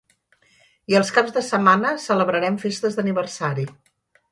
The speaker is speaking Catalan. I els caps de setmana celebrarem festes d’aniversari.